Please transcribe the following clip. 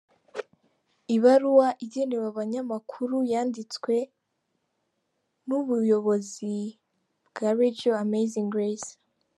Ibaruwa igenewe abanyamakuru yanditwe n'ubuyozi bwa Radio Amazing Grace.